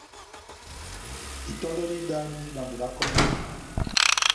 Itɔndɔ dá ida dindi dambi da kɔmɔni